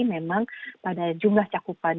memang pada jumlah cakupan